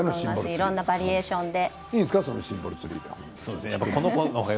いろんなバリエーションで。